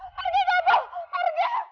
pergi kamu pergi